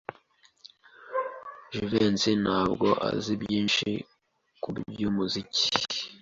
Jivency ntabwo azi byinshi kubyumuziki.